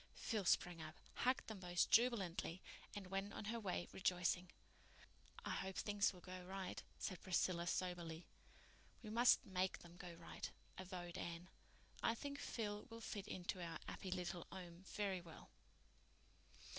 Phil sprang up, hugged them both jubilantly, and went on her way rejoicing. "I hope things will go right," said Priscilla soberly. "We must make them go right," avowed Anne. "I think Phil will fit into our 'appy little 'ome very well."